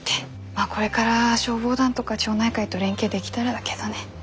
まあこれから消防団とか町内会と連携できたらだけどね。